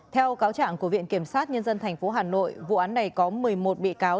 theo cáo trạng của viện kiểm sát nhân dân tp hà nội vụ án này có một mươi một bị cáo